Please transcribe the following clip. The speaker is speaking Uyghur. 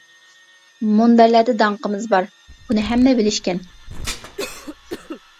مۇنبەرلەردە داڭقىمىز بار، بۇنى ھەممە بىلىشكەن.